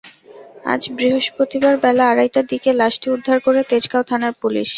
আজ বৃহস্পতিবার বেলা আড়াইটার দিকে লাশটি উদ্ধার করে তেজগাঁও থানার পুলিশ।